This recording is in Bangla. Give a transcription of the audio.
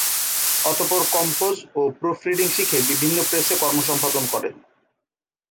অতপর কম্পোজ ও প্রুফ রিডিং শিখে বিভিন্ন প্রেসে কর্ম সম্পাদনা করেন।